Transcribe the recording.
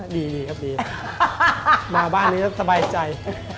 ดีครับดีมาบ้านนี้แล้วสบายใจ